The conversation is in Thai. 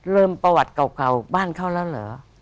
ประวัติเก่าบ้านเขาแล้วเหรอ